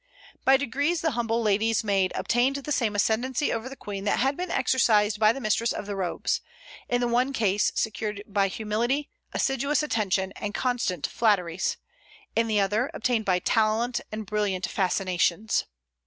By degrees the humble lady's maid obtained the same ascendency over the Queen that had been exercised by the mistress of the robes, in the one case secured by humility, assiduous attention, and constant flatteries; in the other, obtained by talent and brilliant fascinations.